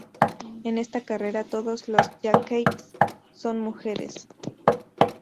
En esta carrera, todas las jockeys son mujeres.